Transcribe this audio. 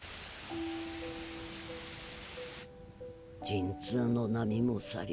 陣痛の波も去り